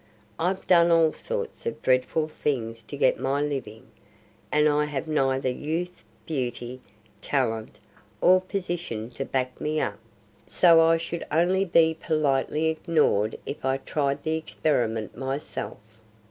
I've done all sorts of dreadful things to get my living, and I have neither youth, beauty, talent, or position to back me up; so I should only be politely ignored if I tried the experiment myself.